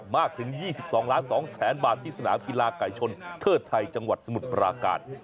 มากถึง๒๒แสนบาทที่สนามกีฬาไก่ชนเทิดไทยจังหวัดสมุทรปราการ